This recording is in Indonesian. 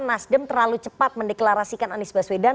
yang menggelarasikan anies baswedan